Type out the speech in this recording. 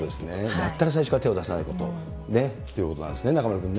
全く最初から手を出さないことということなんですね、中丸君ね。